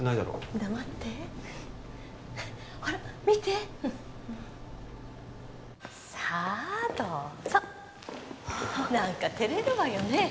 黙ってほら見てさあどうぞあっ何か照れるわよね